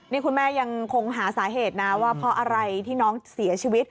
นี่คุณแม่ยังคงหาสาเหตุนะว่าเพราะอะไรที่น้องเสียชีวิต